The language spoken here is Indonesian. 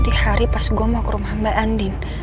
di hari pas gue mau ke rumah mbak andin